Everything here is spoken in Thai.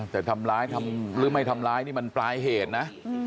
แต่ทำร้ายทำหรือไม่ทำร้ายนี่มันปลายเหตุนะ